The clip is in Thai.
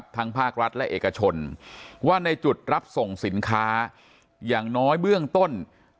ภาครัฐและเอกชนว่าในจุดรับส่งสินค้าอย่างน้อยเบื้องต้น